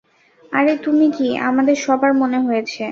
আরে তুমি কী, আমাদের সবার মনে হয়েছে।